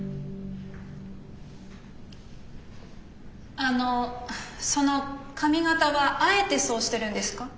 あのその髪形はあえてそうしてるんですか？